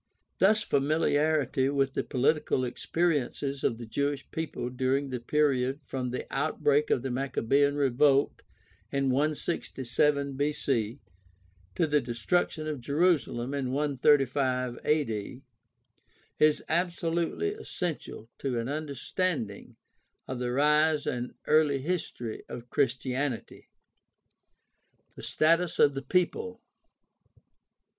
Thus familiarity with the political experiences of the Jewish people during the period from the outbreak of the Maccabean revolt in 167 B.C. to the destruction of Jerusalem in 135 a.d. is absolutely essential to an understanding of the rise and early history of Christianity. The status of the people.